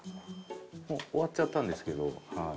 もう終わっちゃったんですけど。